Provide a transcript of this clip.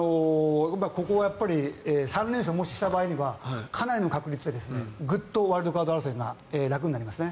ここは３連勝もしした場合にはかなりの確率でグッとワイルドカード争いが楽になりますね。